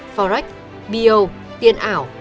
forex bio tiền ảo